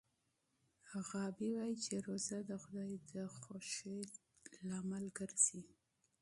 غابي وايي چې روژه د خدای د خوښۍ سبب ګرځي.